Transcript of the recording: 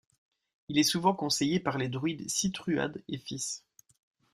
Il est souvent conseillé par les druides Cithruadh et Fis.